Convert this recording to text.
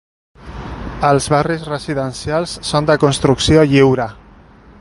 Els barris residencials són de construcció lliure.